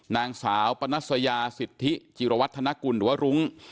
นางสาวปนัสยาสิทธิจิรวัฒนกุลหรือว่ารุ้ง